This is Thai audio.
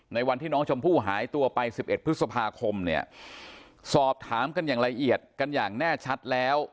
วันที่น้องชมพู่หายตัวไป๑๑พฤษภาคมเนี่ยสอบถามกันอย่างละเอียดกันอย่างแน่ชัดแล้ว